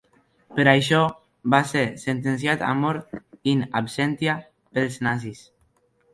Per això, va ser sentenciat a mort in absentia pels nazis.